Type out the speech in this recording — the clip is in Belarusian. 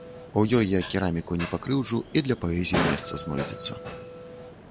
У ёй я кераміку не пакрыўджу і для паэзіі месца знойдзецца.